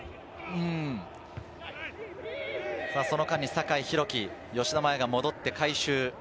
その間に酒井宏樹、吉田麻也が戻って回収。